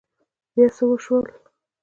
بيا څه وشول؟